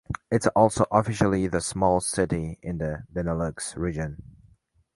It's also officially the smallest city in the Benelux region.